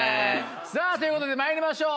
さぁということでまいりましょう。